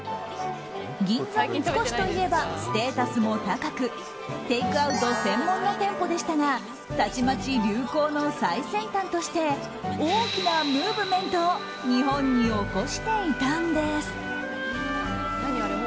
銀座三越といえばステータスも高くテイクアウト専門の店舗でしたがたちまち流行の最先端として大きなムーブメントを日本に起こしていたんです。